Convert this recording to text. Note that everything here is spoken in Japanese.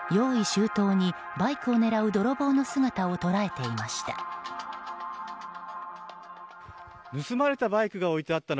周到にバイクを狙う泥棒の姿を捉えていました。